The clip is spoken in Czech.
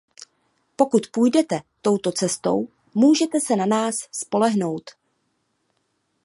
Pokud půjdete touto cestou, můžete se na nás spolehnout.